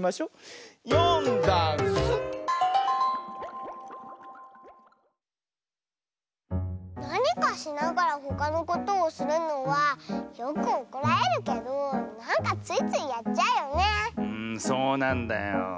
うんそうなんだよ。